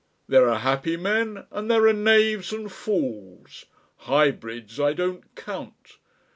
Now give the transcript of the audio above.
There are happy men and there are knaves and fools. Hybrids I don't count.